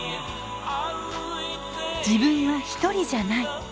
自分は一人じゃない。